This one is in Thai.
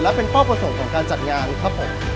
และเป็นเป้าประสงค์ของการจัดงานครับผม